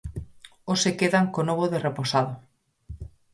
Hoxe quedan co novo de Reposado.